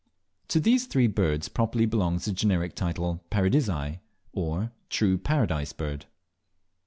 To these three birds properly belongs the generic title Paradisea, or true Paradise Bird.